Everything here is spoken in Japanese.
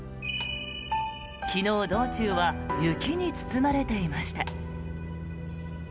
昨日、道中は雪に包まれていました。